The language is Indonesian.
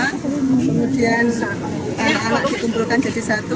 kemudian anak anak dikumpulkan jadi satu